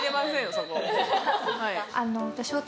そこ。